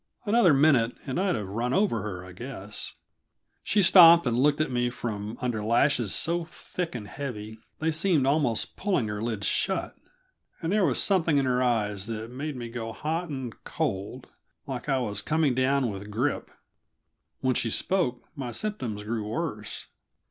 Another minute, and I'd have run over her, I guess. She stopped and looked at me from under lashes so thick and heavy they seemed almost pulling her lids shut, and there was something in her eyes that made me go hot and cold, like I was coming down with grippe; when she spoke my symptoms grew worse.